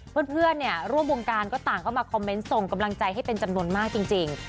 เพื่อนเนี่ยร่วมวงการก็ต่างเข้ามาคอมเมนต์ส่งกำลังใจให้เป็นจำนวนมากจริง